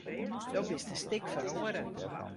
Do bist in stik feroare.